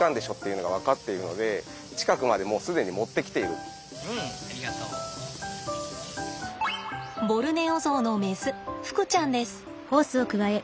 最近はボルネオゾウのメスふくちゃんです。